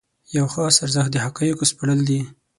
یو خاص ارزښت د حقایقو سپړل دي.